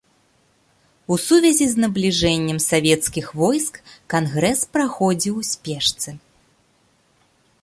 У сувязі з набліжэннем савецкіх войск кангрэс праходзіў у спешцы.